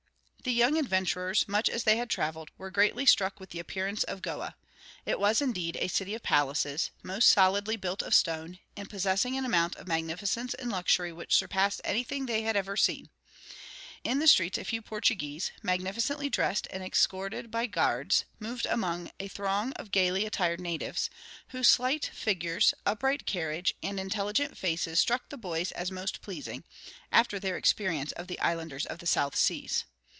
The young adventurers, much as they had traveled, were greatly struck with the appearance of Goa. It was, indeed, a city of palaces, most solidly built of stone, and possessing an amount of magnificence and luxury which surpassed anything they had ever seen. In the streets a few Portuguese, magnificently dressed and escorted by guards, moved among a throng of gaily attired natives; whose slight figures, upright carriage, and intelligent faces struck the boys as most pleasing, after their experience of the islanders of the South Seas.